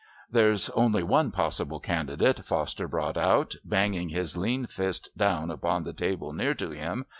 "There's only one possible candidate," Foster brought out, banging his lean fist down upon the table near to him.